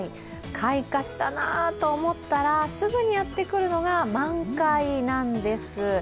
開花したなと思ったら、すぐにやってくるのが満開なんです。